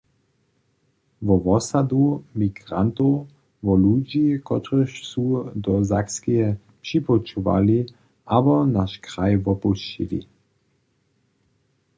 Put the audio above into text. Wo wosudy migrantow, wo ludźi, kotřiž su do Sakskeje připućowali abo naš kraj wopušćili.